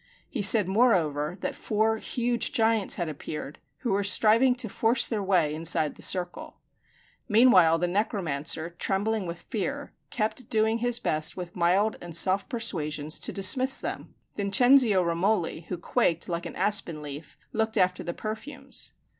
He said moreover that four huge giants had appeared, who were striving to force their way inside the circle. Meanwhile the necromancer, trembling with fear, kept doing his best with mild and soft persuasions to dismiss them. Vincenzio Romoli, who quaked like an aspen leaf, looked after the perfumes.